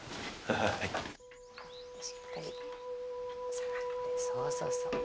しっかり下がってそうそうそう。